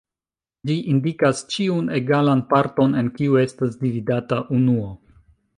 Ĝi indikas ĉiun egalan parton en kiu estas dividata unuo.